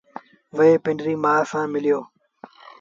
وهي پنڊريٚ مآ سآݩ مليو